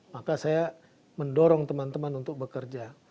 maka saya mendorong teman teman untuk bekerja